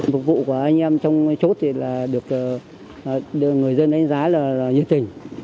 phục vụ của anh em trong chốt thì là được người dân đánh giá là nhiệt tình